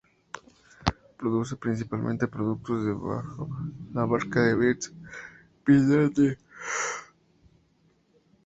Produce principalmente productos bajo la marca Beats by Dr. Dre.